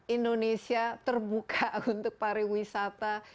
indonesia terbuka untuk pariwisata